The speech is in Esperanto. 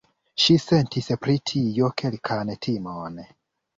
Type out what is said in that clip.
Ŝi sentis pri tio kelkan timon.